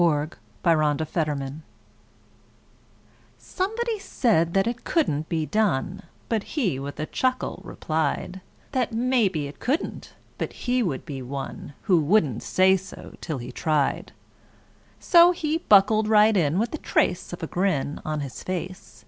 37 It Couldn't Be Done Somebody said that it couldn't be done, But he with a chuckle replied That "maybe it couldn't," but he would be one Who wouldn't say so till he'd tried. So he buckled right in with the trace of a grin On his face.